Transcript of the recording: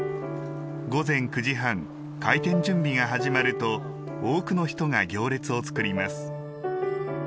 午前９時半、開店準備が始まると多くの人が行列を作ります。